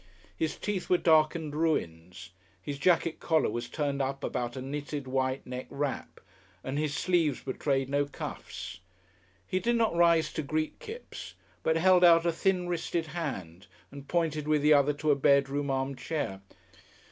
His teeth were darkened ruins. His jacket collar was turned up about a knitted white neck wrap, and his sleeves betrayed no cuffs. He did not rise to greet Kipps, but held out a thin wristed hand and pointed with the other to a bedroom arm chair.